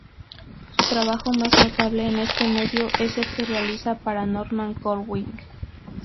Su trabajo más notable en este medio es el que realiza para Norman Corwin.